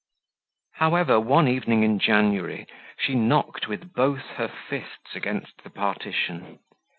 However, one evening in January she knocked with both her fists against the partition.